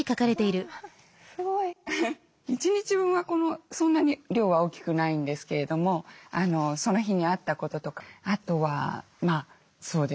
一日分はそんなに量は大きくないんですけれどもその日にあったこととかあとはそうですね褒めることですね。